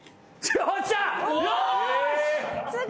よし！